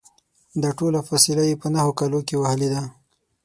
دا ټوله فاصله یې په نهو کالو کې وهلې ده.